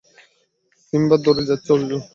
Simba দৌড়ে যাচ্ছে, অর্জুন!